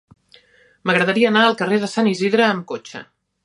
M'agradaria anar al carrer de Sant Isidre amb cotxe.